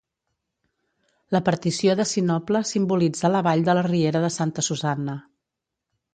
La partició de sinople simbolitza la vall de la riera de Santa Susanna.